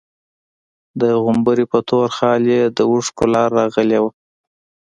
د غومبري په تور خال يې د اوښکو لاره راغلې وه.